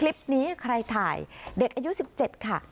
คลิปนี้ใครถ่ายเด็กอายุ๑๗ค่ะ